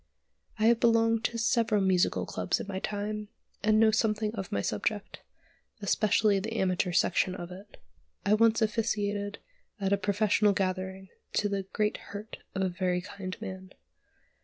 I have belonged to several musical clubs in my time, and know something of my subject, especially the amateur section of it. I once officiated at a professional gathering to the great hurt of a very kind man.